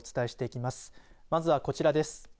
まずはこちらです。